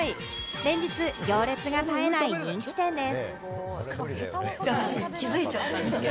連日行列が絶えない人気店です。